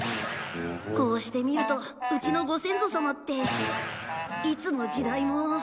こうして見るとうちのご先祖さまっていつの時代も。